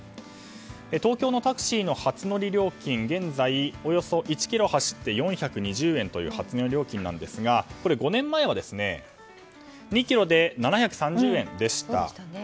東京のタクシーの初乗り料金は現在、およそ１ｋｍ走って４２０円という初乗り料金ですが、５年前は２ｋｍで７３０円でした。